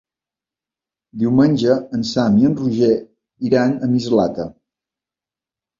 Diumenge en Sam i en Roger iran a Mislata.